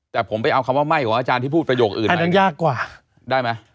แต่ผมไปเอาคำว่าไหม้ของอาจารย์ที่พูดประโยคอื่นอันนั้นยากกว่าได้ไหม